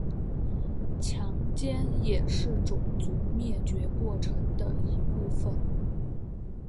强奸也是种族灭绝过程的一部分。